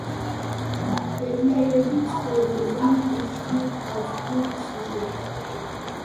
ფერმერები ცხოვრობდნენ უშნო, დაწნულ სახლებში.